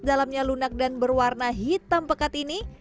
dalamnya lunak dan berwarna hitam pekat ini